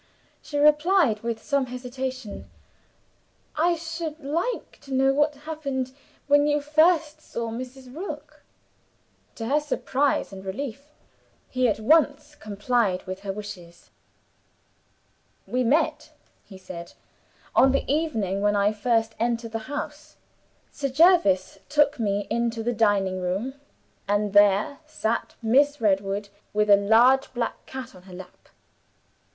She replied, with some hesitation, "I should like to know what happened when you first saw Mrs. Rook." To her surprise and relief, he at once complied with her wishes. "We met," he said, "on the evening when I first entered the house. Sir Jervis took me into the dining room and there sat Miss Redwood, with a large black cat on her lap.